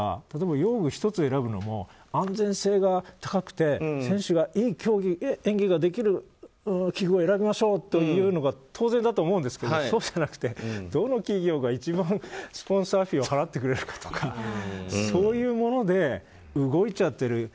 例えば、用具１つ選ぶのも安全性が高くて選手がいい競技、演技ができる器具を選びましょうというのが当然だと思うんですけれどもそうじゃなくてどの企業が一番スポンサー費を払ってくれるかとかそういうもので動いちゃってる。